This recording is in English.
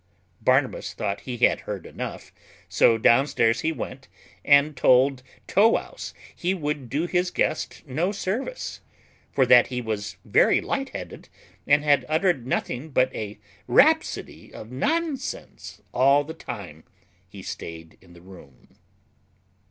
Barnabas thought he had heard enough, so downstairs he went, and told Tow wouse he could do his guest no service; for that he was very light headed, and had uttered nothing but a rhapsody of nonsense all the time he stayed in the room.